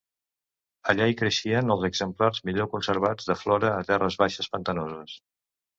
Allà hi creixen els exemples millor conservats de flora de terres baixes pantanoses.